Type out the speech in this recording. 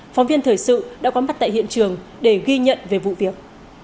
phóng viên thời sự đã có mặt tại hiện trường để ghi nhận về vụ việc